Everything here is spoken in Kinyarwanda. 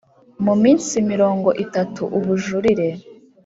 mu minsi mirongo itatu Ubujurire